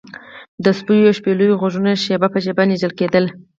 د سپیو او شپېلیو غږونه شیبه په شیبه نږدې کیدل